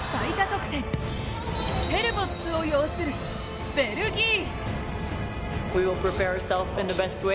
得点ヘルボッツを擁するベルギー。